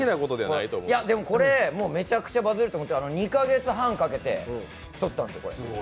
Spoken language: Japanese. いやでも、これめちゃくちゃバズると思って２カ月半かけて撮ったんです。